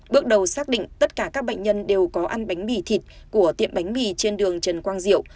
bước đầu xác định tất cả các bệnh nhân đều có ăn bánh mì thịt của tiệm bánh mì trên đường trần quang diệu